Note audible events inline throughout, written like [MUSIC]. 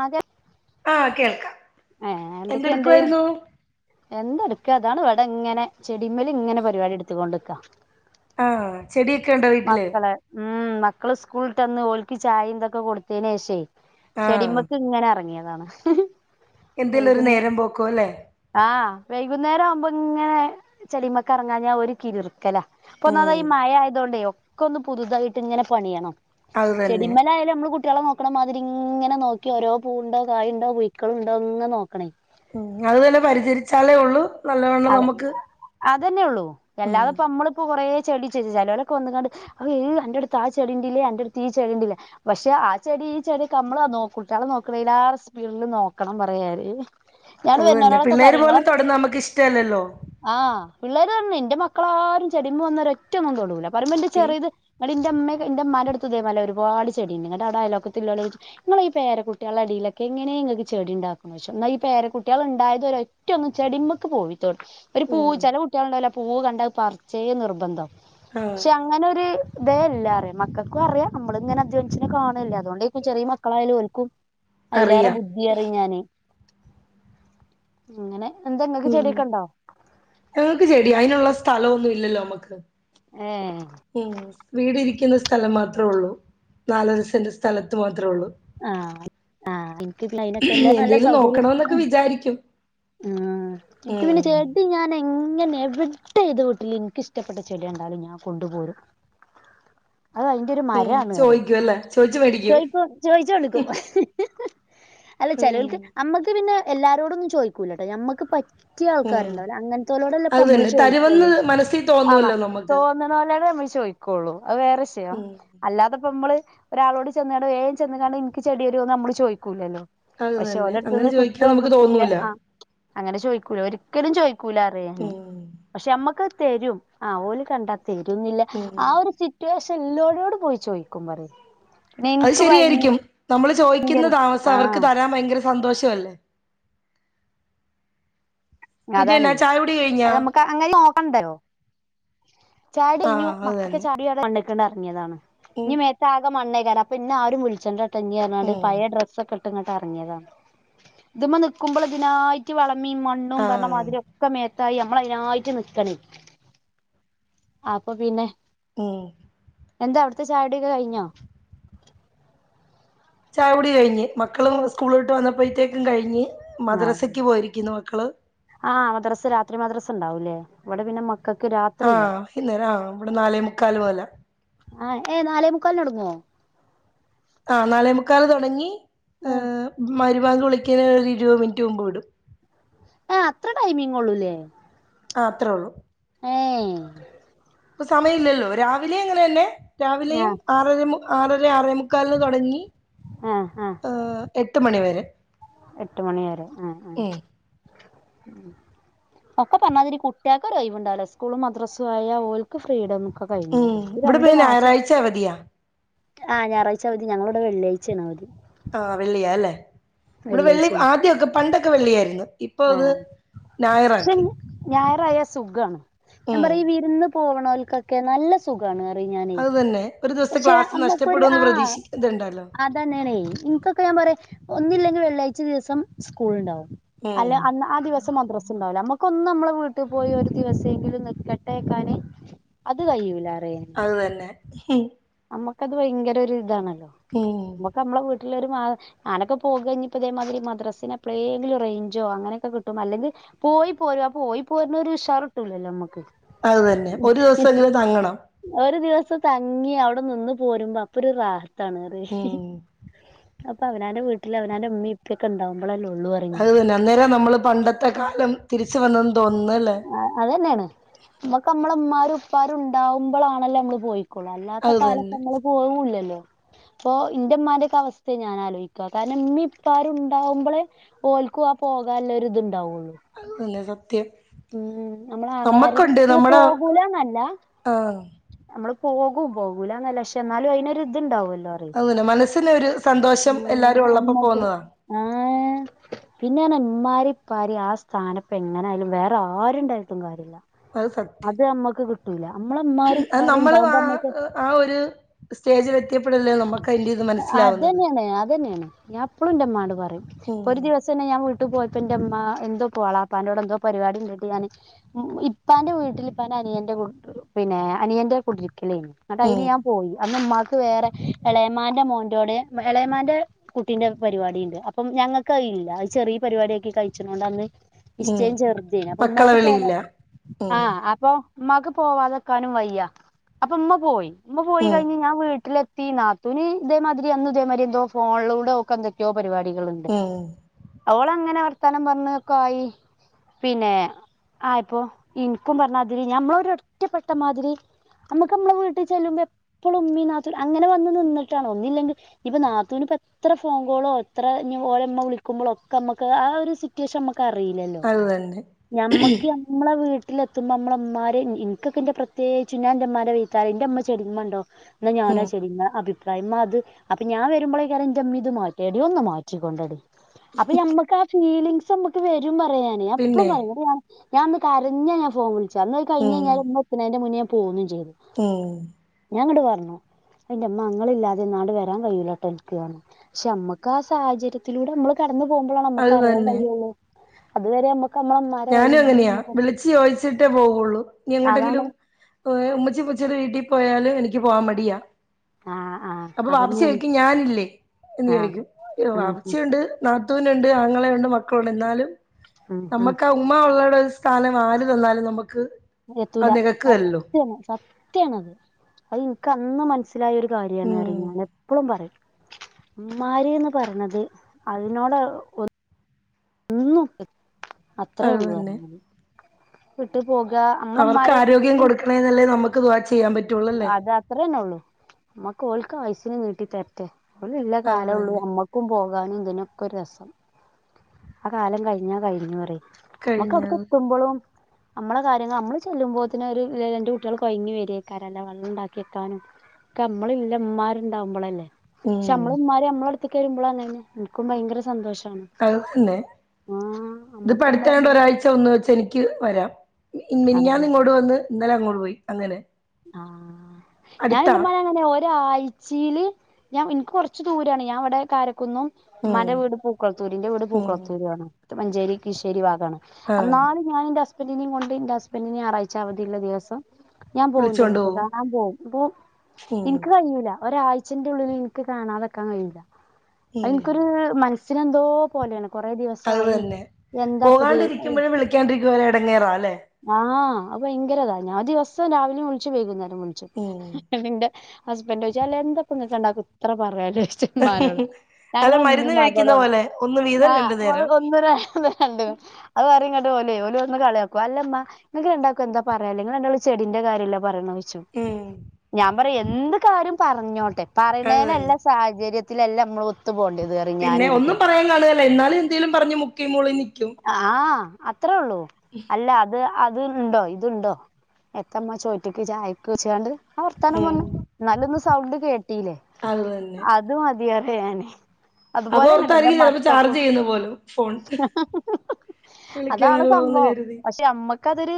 ആ കേ ആഹ് കേൾക്കാ ഏ എന്തൊക്കെയ്ണ്ട് എന്തട് ക്കതാണ് വെടങ്ങനെ ചെടിമ്മല്ങ്ങനെ പരിപാടി എടുത്ത്കൊണ്ട്ക്കാ ആഹ് ചെടിയൊക്കെയുണ്ടോ വീട്ടില് ഉം മക്കള് സ്കൂളിട്ടന്ന് ഓൽക്ക് ചായിം തൊക്കെ കൊടുത്തീനേഷേ ആഹ് ചെടിമക്ക് ഇങ്ങനെ എറങ്ങിയ താണ്. എന്തേലും ഒരു നേരം പോക്കോ ല്ലേ. ആഹ് വൈകുന്നേരം ആവുമ്പോ ഇങ്ങനെ ചെടിമക്ക് എർങ്ങാഞ്ഞാ ഒരു കിർക്കലാ. അപ്പൊ ഉം ഒന്നാമതെ ഈ മയ ആയതൊണ്ടേ ഒക്കെ ഒന്ന് പുതുതായിട്ട് ഇങ്ങനെ പണിയണം. അത് തന്നെ ചെടിമലായാലും നമ്മള് കു കുട്ടിയളെ നോക്കണ മാതിരിങ്ങനെ നോക്കി ഓരോ പൂ ഉണ്ടോ, കായുണ്ടോ, പുയ്ക്കളുണ്ടോ ങ്ങ നെ നോക്കണേ ഉം അത് നല്ല പരിചരിച്ചാലേ ഉള്ളു നല്ലവണ്ണം നമുക്ക്. ഇതെന്നിയെ ഉള്ളൂ ഉം അല്ലാതെ പ്പൊ അമ്മളിപ്പോ കൊറേ. ചെടി [UNINTELLIGIBLE] ചേലോലൊക്കെ വന്ന്കാണ്ട് അഹ് അന്റെടുത്ത് ആ ചെടിണ്ട്ല്ലേ അന്റെടുത്ത് ഈ ചെടിണ്ട് ലെ പക്ഷെ ആ ചെടി. ഈ ചെടിയൊക്കെ മ്മളാനോക്കു കുട്ടാളെ നോക്ക്‌ണീലേറെ സ്പീഡില് നോക്കണം പറയാര്. ഞാട്ട് അത് തന്നെ വരുന്നോരോടെക്കെ പിള്ളേര് പറിം പോലും ങ്ങളൊക്കെ. തൊടുന്ന നമുക്ക് ഇഷ്ടല്ലല്ലോ ആ പിള്ളേര് പറഞ്ഞ് എന്റെ മക്കളാരും ചെടിമെ വന്ന് ഒരറ്റൊന്നും തൊടൂല. പറമ്പം ന്റെ ഇൽ ചെറീത്. ഇത് ന്റെമ്മെ ന്റെമ്മാന്റെടുത്തുതേ പോലെ ഒരുപാട് ചെടിണ്ട് ഇങ്ങടടെ അയലക്കത്ത് ഉള്ളട ഇങ്ങളെ ഈ പേരക്കുട്ടിയാളെടീൽ. തക്കെ എങ്ങനെ ങ്ങക്ക് ചെടി ണ്ടാക്ണെ ഓയിച്ചും എന്നാ ഈ പേരകുട്ടിയാൾണ്ടായതൊരറ്റന്ന് ചെടിമക്ക് പോ [UNINTELLIGIBLE] ഒരു പൂ ഉം ചെല കുട്ടിയാള്ണ്ടല്ലോ പൂവ് കണ്ടാത്‌ പറച്ചേ നിർബന്ധം. ആഹ് ക്ഷെ അങ്ങനൊര്. തേല്ലാറിയ മക്കക്കു അറിയ അമ്മള് ഇങ്ങനെ അധ്വനിച്ച്ണ കാണല്ലെ അതുകൊണ്ടേക്കും ചെറിയ മക്കളായാലും ഓൽക്കും. അയ്ലേറെ അറിയാം ബുദ്ധിയാറിം ഞാനെ അങ്ങനെ എന്താങ്ങക്ക് ഉം ചെടിയൊ ഞങ്ങക്ക് ചെടി അയ്നൊള്ള സ്ഥലൊന്നും ഇല്ലല്ലോ മ്മക്ക്. ഏ ഉം വീട് ഇരിക്കുന്ന സ്ഥലം മാത്രേ ഒള്ളൂ നാലര സെന്റ് സ്ഥലത്ത് മാത്രേ ഉള്ളു. ആഹ് എനിക്ക് അയിനൊക്കെല്ല എന്തെലും നോക്കണൊന്നൊക്കെ വിജാരിക്കും. ആ ഇൻക്ക് പിന്നെ ചെടി ഞാൻ എങ്ങനെ. എവിടെ ഏത് ട്ടിലും എനിക്ക് ഇഷ്ടപ്പെട്ട ചെടി കണ്ടാലും ഞാൻ കൊണ്ടുപോരും. അത് അയിന്റൊരു ഉം മരാണ് പറിം. ചോദിക്കും അല്ലേ ചോദിച്ചു മേടിക്കും ചോയ്ക്കും ചോയിച്ചോണ്ട്ക്കും അല്ല ഉം ചേലോൽക്ക് അമ്മക്ക് പിന്നെ. എല്ലാരോടൊന്നും ചോയ്ക്കൂലട്ടാ ഞമ്മക്ക് പ പറ്റിയ ഉം ആൾക്കാരുണ്ടാവല്ലോ അങ്ങൻത്തോലോടെല്ലേ അത് പമ്മള് തന്നെ തരുമെന്ന് ചോയ്ക്കുള്ളു. മനസ്സിൽ ആന്ന തോന്നുവല്ലോ നമുക്ക് തോന്നുണോലോടെ മ്മൾ ചോയിക്കുള്ളു അത് വേറെഷയം ഉം അല്ലാതപ്പോ മ്മള്. ഒരാളോട് ചെന്നാണ്ട് വേൻ ചെന്നുകാണ്ട് ഇൻക് ചെടിയരോന്ന് നമ്മള് ചോയ്ക്കൂലല്ലോ. അത് പക്ഷെ തന്നെ അങ്ങനെ ഓലട്ത്ത്ന്ന് ചോദിക്കാൻ കിട്ടോ നമുക്ക് കിട്ടൂലെ തോന്നൂല ആ അങ്ങനെ ചോയ്ക്കൂല ക്കലും ചോയ്ക്കൂല അറിയാ ഞാന് ഉം പക്ഷെ മ്മക്കത് തരും ആ ഓല് കണ്ടർ തരുന്നില്ല ഉം ആ ഒരു സിറ്റുവേഷൻ ഉള്ളോലോട് പോയി ചോയ്ക്കും പറിം. അത് ശരിയായിരിക്കും നമ്മള് ചോയ്ക്കുന്ന താമസം അവർക്ക് ആഹ് തരാൻ ബയ്ങ്ക സന്തോഷവല്ലേ. അതാണേ അതമ്മക്ക് അങ്ങനെ. [UNINTELLIGIBLE] ചായടി കൈഞ്ഞു ആഹ് അത് മക്കൊക്ക്. തന്നെ [UNINTELLIGIBLE] [UNINTELLIGIBLE] എറങ്ങിയതാണ് ഉം ഇനി മേത്താകെ മണ്ണേക്കാര അപ്പ ഇന്നെ ആരും വിളിച്ചണ്ടട്ടഞി പറഞ്ഞാണ്ട് ഉം പയേ ഡ്രസ്സക്കെ ന്നട്ട് ങ്ങട്ട് എറങ്ങിയതാണ് ഇത് മ്മെന്ന്ക്കുമ്പൊ ഇതിനായിട്ട് വളമിം മ പറഞ്ഞ ആഹ് മാതിരി ഒക്കെ മെ ത്തായി നമ്മളയിനായിട്ട് നിക്കാണേ അപ്പൊ പിന്നെ. ഉം. എന്താ അവിടുത്തെ ചായൊടിക്കെ കയിഞ്ഞോ? ചായ കുടി കയ്ഞ്ഞ് മക്കളും സ്കൂളിട്ട് വന്നപ്പോയത്തേക്കും കയിഞ്ഞ് ആഹ് മദ്രസക്ക് പോയിരിക്കുന്നു മ ആഹ് മദ്രസ്സ് രാത്രി മദ്രസ് ഉണ്ടാവൂലേ? ഇവിടെ പിന്നെ മ ക്കക്ക് രാത്രില്ല ആഹ് വൈകുന്നേരം ആഹ് ഇവിടെ നാലേ മുക്കാല് പോലെ ആ ഏ നാലേമു ക്കാല്നൊടുങ്ങോ? ആ നാലെമുക്കാൽ തൊടങ്ങി ഹ്... ആഹ് മഹ് വാങ്ക് വിളിക്കിനേനൊര്പത് മിനിറ്റ് മുമ്പ് വിടും ആ അത്ര ടൈമിംഗൊള്ളൂല്ലേ ആ അത്രേള്ളൂ ഏ ഇപ്പൊ സമയം ഇല്ലല്ലോ രാവിലെയും അങ്ങനെന്നെ രാവിലെയും ആഹ് ആറര ആറര ആറേ മുുക്കാലിന് തുടങ്ങി ആഹ് ആഹ് എട്ട് മണിവരെ എട്ട് മണിവരെ ആ ആ ഉ ഒക്കെ പറഞ്ഞാതിരിക് കുട്ടികൾക്ക് ഒരുരൈവുണ്ടാവൂല സ്കൂളും മദ്രാസും ആയ അവഓലക്ഫ്രീഡന്നും ഒക്കെ കഴിഞ്ഞ ഉം ഇവിടെ രണ്ടു പിന്നെ മാസം ഞായറാഴ്ച അവധിയാ ആഹ ഞായറാഴ്ചാ മതി ഞങ്ങളോടെ വെള്ളിയാഴ്ചയണാ മതി ആ വെള്ളിയാ അല്ലേ ബടെ വെള്ളി ആദ്യൊക്കെ പണ്ടൊക്കെ വെള്ളിയായിരുന്നു ഇപ്പൊ ആ അത് ഞായറാക്കി ഞായറായ സുഖമാണ് ഞാൻ ഉം പറയാ ഈ വിരുന്ന് പോകണവൽക്കൊക്കെ നല്ല സുഖമാണ് അത് തന്നെ ഒരു ദിവസത്തെ ക്ലാസ് പക്ഷെമ്മക്കൊ നഷ്ടപ്പെടുമെന്ന് ആ പ്രതീക്ഷിക്കുന്നുണ്ടല്ലോ അതന്നാന്നെ ഇൻകൊക്കെ ഒന്നില്ലെങ്കിൽ വെള്ളാഴ്ച ദിവസം സ്കൂള് ഉണ്ടാവും അല്ല ഉം ആ ദിവസം മദത്രസ് ണ്ടാവൂല നമ്മുക്കൊന്നും നമ്മെ വീട്ടിൽ പോയി ഒരു ദിവസമെങ്കിലും നി ക്കട്ടേക്കാന് അത് കഴയിൂല്ലായി അത് തന്നെ നമ്മുക്കത് ഭയങ്കര ഒരു ഇതാണല്ലോ ഉം നമ്മുക്ക് നമ്മളെ ഞാനൊെ പോകഴിഞ്ഞപ്പോ ഇതേതിരി മദ്രാസെ എപ്പഴെങ്കിലും റഞ്ചോ അങ്ങനൊക്കെ കിട്ടും അല്ലെങ്കിൽ പോയി പോര പോയി പോര്ന്ന ഒരു ഷർട്ടുല്ലല്ലോ നമ്മുക്ക് അത് തന്നെ ഒരു ദിവസമെങ്കിലും തങ്ങണം ഒരു ദിവസം തങ്ങി അവിടെ നിന്ന് പോരുമ്പോ അപ്പൊ ഒരു റഹത്താണ് റി ഉം അപ്പൊ അവാന്റെ വീട്ടില് അവന്റെമ്മ ഇപ്പൊക്കെ ഉണ്ടാവും അത്തന്നെ അന്നേരം നമ്മള് പണ്ടത്തെ കാലം തിരിച്ച വന്നെന്ന് തോന്നുന്നു അല്ലേ അത്ന്നെയാണ് നമ്മക്ക് നമ്മളമാരും ഉപ്പാരും ഉണ്ടാവുമ്പോളാണല്ലോ നമ്മള് പോയി കുള അല്ലാത്ത കാലത്ത് നമ്മള് പോവു ല്ലല്ലോ ഉ [UNINTELLIGIBLE] അപ്പൊ ഇന്റെമ്മമാന്റെ ഒക്കെ അവസ്ഥയെ ഞാൻ ആലോയിക്അ കാരണം ഇമ്മി ഇപ്പരു ഉണ്ടാവുമ്പോളെ ഓൽക്കു ആ പൊ ല്ലൊരു ഒ ഇതു ഉണ്ടാവുള്ളൂ പിലത ഉം നമ്മള ആങ്ങളാരക്ക നമ്മുടെ പോകൂലന്നല്ല ആ നമ്മള് പോകും പോകൂല എന്നല്ലക്ഷെ എന്നാലും അതിനൊരി ഇതുണ്ടാവല്ലോ അതന്നെ മനസ്സന് ഒരു സന്തോഷം എല്ലാരും ഉള്ളപ്പോ പോകുന്നത ആ പിന്നെന്മാരിപ്പാരി ആ സ്ഥാനപ്പ എങ്ങനൊയാലും വേറെ ആരുുംണ്ടായിട്ടും കാര്യമില്ല അത് സത്യം അത് അമ്മക്ക് കിട്ടൂല നമ്മളെ ഉമ്മാരും അത് ഉപ്പാരും നമ്മള് ആ ഉണ്ടാവുമ്പോ നമ്മക്ക് ആ ഒരു സ്റ്റേജിൽ എത്തിയപ്പെടല്ല നമുക്ക് അയിന്റെ ഇത് മനസ്സി അത് തന്നെയാണ് അത് തന്നെയാണ് ഞാൻ ഇപ്പളും ഇന്റെ മനോട് പറയും ഉം ഒരു ദിവസ ന്നെ ഞാൻ ട്ട് പോയപ്പോ എന്റെ അമ്മ എന്തോ പോവാളാപ്പാന്റെോട് എന്തോ പരിപാടി ഇപ്പാന്റെ വീട്ടില് അനിയന്റെ പിന്നെ അനിയന്റെ കുടി അയിന് ഉം ഞാൻ പോയി അന്ന് മ്മാ വേറെ ഇളയമാന്റെ മോടെ ഇളയമാന്റെ കുട്ടീന്റെ പരിപാടി ഉണ്ട് അപ്പ ഞങ്ങക്ക് ല്ല ചെറിയ പരിപാടിയൊക്കെ കഴിച്ചതൊണ്ട് അന്ന് ഉം ഇഷ്ടം ചേരു അപ്പൊ മക്കളെ ഉമ്മാക്ക് പോവാ വിളിയില്ല ഉം ആഹ അപ്പൊ ഇമ്മാക്ക് പോവാതെക്കാനും വയ്യാ അപ്പൊ ഉമ്മ പോയി ഉമ്മ പോയി ഉം കഴിഞ്ഞ് ഞാൻ വീട്ടിലെ നാത്തുന് ഇതേമാതിരി അന്ന് ഇതേമാതിരി എന്തോ ഫോണിലൂടെ ഒക്കെ എന്തൊക്കെയോ പരിപാടികൾണ്ട് ഉം അവള അങ്ങനെ അവർത്താനം പറഞ്ഞതൊക്കെ ആയി പിന്നെ ആ ഇപ്പോ ഇന്ക്കും പറഞ്ഞാതിരി ഞമ്മള ഒരോ പ്പെെട്ടമാതിരി നമ്മക്ക് നമ്മളെ വീട്ടിൽ ചെല്ലുമ്പോ എപ്പഴും ഉമ്മി നാത്തൂ അങ്ങനെ വന്നു നിന്നിട്ടാണ് ഒന്നില്ലെങ്കിൽ ഇപ്പൊ നാത്തൂന് അപ്പോ എത്ര ഫോൺ കോളോ എത്ര ഓരോമ്മ വിളിക്കുമ്പോഴോ ഒക്കെ നമുക്ക് ആ ഒരു സിറ്റുവേഷൻ ന ക്കറീല്ലല്ലോ അത് തന്നെ നമ്മക്ക് നമ്മളെ വീട്ട.... വീട്ടിലെത്തുമ്പോ ഞമ്മളെ മ്മാര് എനിക്കൊക്കോന്റെ പ്രതേകിച്ചു ഞാൻ ന്റെ മ്മാന്റെ വൈത്താലേ ന്റെ മ്മ ചെല്ലുമ്പണ്ടാകും എന്നാ ഉം ഞാനച്ചെടിമ്മ മ അത് അപ്പ ഞാൻ വരുമ്പോ ള യ്കാരം ന്റെ ഇമ്മ ത് ഒന്ന് മാറ്റികൊണ്ടട്ടി അപ്പൊ അമ്മക്ക് ആ ഫീലിംഗസ് നമ്മുക്ക് വരും പറയാൻ പിന്നെ ഞാൻ ഇന്ന് കരഞ്ഞു ഫോൺ ഉം നീലിച്ചു ഉം ഞാൻ ങ്ങട്ട് വാ അയിന്റെമ്മ ഇങ്ങൾ ഇല്ലാതെ ആണ്ടൊന്നും വരാൻ കഴയ്യു ലോട്ടോ എനിക്ക് പക്ഷെ മ്മക്ക് ആ സാഹചര്യത്തിലൂടെമ്മള് പെട്ടെന്ന് പോകുമ്പളാണ് അത് നമുക്ക് അറിയാൻ തന്നെ കഴിയുള്ളൂ അതുവരെ മ്മ ഞാനും അങ്ങനെയാ വിളിച്ച് ചോയിച്ചിട്ടേ പോവുള്ളൂ ഇനി അതാണ് എങ്ങോട്ടെങ്കിലും ഏ ഉമ്മച്ചി ഉമ്മച്ചീടെ വീട്ടിൽ പോയാല് എനിക്ക് പോവാൻ മടിയാ ആഹ് ആഹ് അപ്പൊ വാപ്പച്ചി അതന്നെയാണ് ചോയിക്കും ഞാനില്ലേ ആഹ് എന്ന്ചോയിക്കും ഉം ഉം വാപ്പച്ചിണ്ട് നാ ത്തുൻണ്ട് ആങ്ങളെ ഉണ്ട് മക്കളുണ്ട് എന്നാലും ഉംഉം നമുക്ക് ആ ഉമ്മ ഉള്ളടെ ഒരു സ്ഥാനം ആര് തന്നാലും നമുക്ക് എത്തൂല അത് നികക്കുവല്ലോ സത്യാണ് സത്യണത് അത് എനിക്ക് അന്ന് മന മനസ്സിലായ ഒരു കാര്യംണ് ഉം ന്ന് ഞൻ എപ്പളും പറയും ഉമ്മാരിന്ന് പറഞ്ഞത് അതിനോട്ഒ ഒന്നും അത്രേ അത് ഉള്ളു തന്നെ പറിം ഞാന് പോക ഞമ്മളെ അവർക്ക് മ്മാരെ ആരോഗ്യം പി കൊടുക്കണേന്നല്ലേ നമുക്ക് ദുആ ചെയ്യാൻ പറ്റുള്ളൂ അല്ലേ അത് അത്രന്നെ ഉള്ളു. കോൽക്ക് ആയിസിന് നീട്ടി തെരറ്റേ ഓല് ള്ള അത് കാലം ഉള്ളൂ തന്നെ അമ്മക്കും പോ... പോകാനും ഇതിനൊക്കെ ഒരു രസം ആ കാലം കഴിഞ്ഞാ കഴിഞ്ഞ പറിം മക്ക അടക്ക കഴിഞ്ഞത് തുമ്പളും നമ്മളെ കാര്യങ് ള് നമ്മള് ചെല്ലുമ്പോ ത്തിന് ഒരു ലെ ഇന്റെ കുട്ടിൾ കൊ ഴങ്ങി വരും.. റ്റി കരല്ല വെള്ളം ഉണ്ടാക്കി ക്കാനും ക്ക നമ്മള ഇല്ലമാരുണ്ടാവുമ്പോള അല്ലേ ഉം പക്ഷെ നമ്മള നമ്മാർ നമ്മള എടുത്തക് മ്പോളാന്ന് എനിക്കും ഭയങ്കര സന്തോഷം അഴ തന്നെ ഇത് നമ്മക്ക് അടുത്തയൊണ്ട് നമ്മളെ ഒരാഴ്ച ഒന്ന് വെച്ച എനിക്ക് വരാം അതാണ് മിനിഞ്ഞാന്ന് നിങ്ങോട്ട് വന്ന് ഇന്നലെ അങ്ങോട്ട് പോയി അങ്ങനെ ആ അടുത്താ ഞാനെന്റെ ഉമ്മാനെ അങ്ങനെ ഒരാഴ്ചയില് ഞാൻ ഇനിക്ക് കുറച്ച് ദൂരാണ് ഞാൻവിടെ കാര കുന്നും ഉം ഉമ്മാന്റെ വീട് പൂക്കളത്തൂരി ന്റെ വീട് ഉം പുകൾത്തൂർ ആണ് മഞ്ചേരി കിശ്ശേരി ബാ ആഹ് അന്നലും ഞാൻ എന്റെ ഹസ്ബൻഡിനെയും കൊണ്ട് എന്റെ ഹസ്ബൻഡിനെ ഞാറാഴ്ച അവധിയുള്ള ദിവസം ഞാൻ പോവും എന്റെ വിളിച്ചോണ്ട് വീട്ടക് പോവും കണാ പോവും പോ ഉം എനിക്ക് കഴിൂല ഒരാഴ്ചന്റെ ഉള്ളിൽ ഇനിക്ക് കാണാതാക്കാൻ കഴിയൂല്ല അത് ഉം ഇൻക്കൊരു മനസി സിനെന്തോ പോലെണ് കൊറെ അത് ദിവസായി തന്നെ എന്താപതെ പുതിയേ പോകാണ്ടിരിക്കുമ്പഴ് വിളിക്കാണ്ടിരിക്കുമ്പോ ഒരു എടങ്ങേറാ അല്ലെ ആ അത് ഭയങ്കര ഇതാ ഞാൻ ദിവസം രാവിലിം വിളിച്ചു വൈകുന്നേരം വിളിച്ചു ഉം നിന്റെ ഹസ്ബൻറ് ചോയ്ച്ചും അല്ല എന്തൊപ്പ ങ്ങക്ക് രണ്ടാകും ഇത്ര പറയാന് ഉമ്മനോട് അല്ല ഞങ്ങള് ഉമമീം മരുന്ന് കഴിക്കുന്ന മകളാണ് പോലെ ഒന്ന് ആ വീതം രണ്ടു നേരം ഒന്നിരണ്ട് അത് പറട്ട ലഓല് ഓല് ഒന്ന് കളിയാകും അല്ലമ്മങ്ങക്ക് രണ്ടൾകും എന്താ പറയാള്ളത് ങ്ങള് രണ്ടാളും ചെടിന്റെ കാര്യം ല്ലെ പറയണത്. ഉം ഞാൻ പറയാ എന്ത് കാര്യം പറഞ്ഞോട്ടെ അത് പറയുണെലല്ല തന്നെ സാഹചര്യത്തി ത്തിലെല്ലാം നമ്മളെ ഒത്തു പോകേണം പിന്നെ ഒന്നും പറയാൻ കാണുകല്ല എന്നാലും എന്തേലും പറഞ്ഞഞ് മുക്കി മൂളിൻ നിൽക്കും. ആഹ് അത്രേ ഉള്ളൂ അല്ല അത് അത് ഇണ്ടോ ഇതുണ്ടോ എത്തമ്മ ചോറ്റക്ക് ചായക്ക്ച്ചാണ്ട് ആ വർത്താനം ഉം പറഞ്ഞ ന്നാ ല്ലൊന്ന് സൗണ്ട് കേട്ടീല്ലേ അത് തന്നെ അത് മതിയാറിം ഞാന് അതുപോലെന്നെട്ട എൻ്റെ അതോർത്തായിരിക്കും ചെലപ്പോ ചാർജ് മക്കക്കും ചെയ്യുന്ന പോലും ഫോൺ അതാണ് വിളിക്കണല്ലോന്ന് സംഭവം കരുതി പക്ഷെ അമ്മക് ക്കതൊരു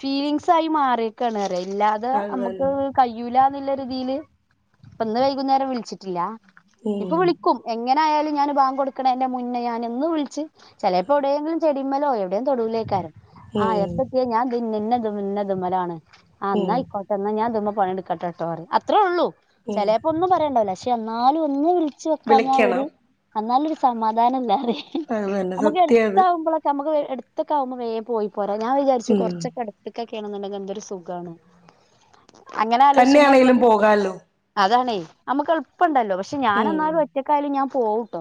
ഫീലിംഗസ് ആയി മാറിയേക്കാണ് റയ ഇല്ലാതെ അത് അമ്മക്ക് തന്നെ കയ്യൂല. [UNINTELLIGIBLE] പ്പ ഇന്ന് വൈകുന്നേരം വിളിച്ചിട്ടില്ല ഉം ഇപ്പ വിളിക്കും എ ങ്ങനെ ആയാലും ഞാന് ബാങ്ക് കൊടുക്കണേന്റെ മുന്നേ ഞാന് ന്ന് വിളിച്ച് ചിലേപ്പോ എവിടേങ്കിലും ചെടീമ്മലോ എവിടെയും തൊടൂലേക്കാരം. ആഹ് ഉം എപ്പെത്യ ഞാൻ [UNINTELLIGIBLE] ഇത് മ്മലാണ് ആഹ് ഉം ന്നാ ആയിക്കോട്ടെ ഞാൻ ഇത്മ്മേ പണിയെടുക്കട്ടെട്ടോ പറയും അത്രേ ഉള്ളൂ ഉം ചെലപ്പോ ഒന്നും പറയ്ണ്ടാവില്ല ക്ഷേ എന്നാലും ഒന്ന് വിളി ച്ച് വെക്കാഞ്ഞ ഒരു വിളിക്കണം അന്നാലൊരു സമാധാനം ഇല്ലാതെ അത് തന്നെ നമ്മക്ക് സത്യാ എടുത്ത് അത് ആവുമ്പോളൊക്കെ അമ്മക്ക് എടുത്തൊക്കെ ആവുമ്പോ വേം പോയി പോരാ ഞാൻ വിചാരിച്ച് ഉം കൊറച്ചൊക്കെ അടുത്തൊക്കെ ക്കെണെന്നുണ്ടെങ്കിൽ എന്തൊരു സുഖാണ് അങ്ങനെ ആലോച്ച് മ്മ മ്മൾ തന്നെയാണേലും പോകാല്ലോ അതാണേ നമ്മക്ക് എളുപ്പ്‌ണ്ടല്ലോ പക്ഷെ ഞാൻ ഉം എന്നാലും ഒറ്റക്കായാലും ഞാൻ പോവുട്ടോ.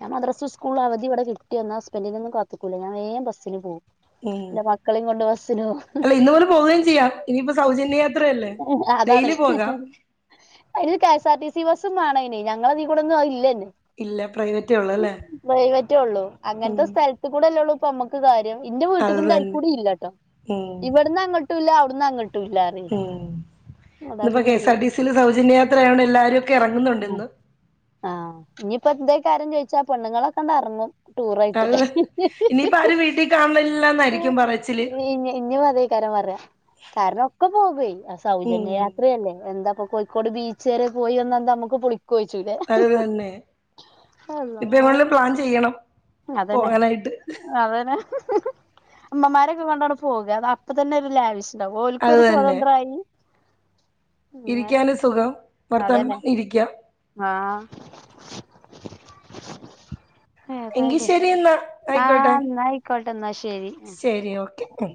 ഞാൻ മദ്രസ് ഉസ്കൂൾ അവധി ഇവിടെകിട്ടി വന്ന ഹസ്ബന്റിനെ ഒന്നും കാത്ത്ക്കൂല ഞാൻ വേം ബസ്സിന് പോവും. ഉം എന്റെ മക്കളേം കൊണ്ട് ബസ്സിന് പോവും. ഹ അല്ല ഹ ഇന്ന് മുതൽ പോവേം ചെയ്യാം ഇനിയിപ്പോ സൗജന്യയാത്രയല്ലേ ഡെയ്ലി പോകാം. അയിന് K S R T C bus ബേണയിന് ഞങ്ങളിതീക്കൂടെ അത് ഇല്ല അയിന്. ഇല്ല പ്രൈവറ്റേ ഉള്ളൂ അല്ലേ പ്രൈവറ്റേ ഉള്ളൂ അങ്ങനത്തെ ഉം സ്ഥലത്ത് കൂടെല്ലേ ഉള്ളൂ പ്പമ്മക്ക് കാര്യം ഇന്റെ അത് വീട്ടിക്കിന്റെ തന്നെ അയിക്കൂടി ഇല്ലട്ടോ ഉം ഇവിടന്ന് അങ്ങോട്ടും ഇല്ല അവിടന്ന് അങ്ങ ട്ടുല്ലാറയ്. ഉം ഇന്നിപ്പോ കെഎസ് ആർ ടി സിൽ സൗജന്യയാത്രയായൊണ്ട് എല്ലാരും ഒക്കെ ഇറങ്ങുന്നുണ്ട് ആഹ് ഇന്ന്. ആഹ് ഇനിപ്പോ ഇതേക്കാര്യം ചോയിച്ചാ പെണ്ണുങ്ങളൊക്കെണ്ട് ഇറങ്ങും. ടൂറായിട്ട് അത് ഹ്ഹ് ഹ് ഇനിയിപ്പോ ഹ് ആരും വീട്ടിൽ കാണില്ല എന്നായിരിക്കും പറച്ചില് [UNINTELLIGIBLE] [UNINTELLIGIBLE] കാരണം ഒക്കെ പോകുവേ ഉം സൗജന്യയാത്രയല്ലേ എന്താപ്പം കോഴിക്കോട് ബീച്ച് വരെ പോയി ഒന്ന് ന്താ നമ്മക് പുളി കോഴചൂലേ ഹ അത് തന്നെ ഹ ഇപ്പൊ അല്ലാഹ്. എങ്ങോട്ടേലും പ്ലാൻ ചെയ്യണം അതന്നെ പോകാനായിട്ട് അതന്നെ. ഹ ഹ ഹ അമ്മമാരൊക്കെ കൊണ്ടാണ് പോകുക അത് അപ്പ തന്നെ ഒരു ലാവിശ്. ണ്ടാ അത് ഓൾക്കൊരു തന്നെ സ്വതന്ത്രായി. അങ്ങനെ ഇരിക്കാന് സുഖം അതന്നെ ഭർത്താക്കൻമാ ഇരിക്കാം. ആഹ്. എങ്കി ഏതായാലും ശരി എന്നാ ആ ആയിക്കോട്ടെ ന്നായിക്കോട്ടെ എന്നാ ശ ശരി ഓക്കെ ഉം.